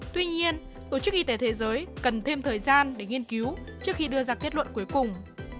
tuy nhiên tổ chức y tế thế giới cần thêm thời gian để nghiên cứu trước khi đưa ra kết luận cuối cùng